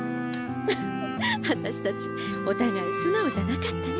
フフッ私たちおたがいすなおじゃなかったね。